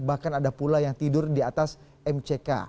bahkan ada pula yang tidur di atas mck